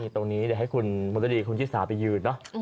ตรงนี้เดี๋ยวให้คุณมรดีคุณชิสาไปยืนเนอะ